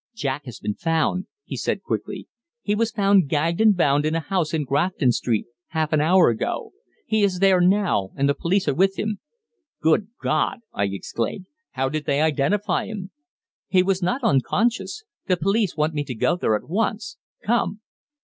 "Jack has been found," he said quickly. "He was found gagged and bound in a house in Grafton Street half an hour ago. He is there now, and the police are with him." "Good God!" I exclaimed. "How did they identify him?" "He was not unconscious. The police want me to go there at once. Come."